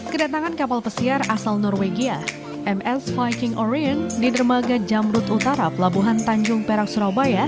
kedatangan kapal pesiar asal norwegia ms viking orion di dermaga jamrut utara pelabuhan tanjung perak surabaya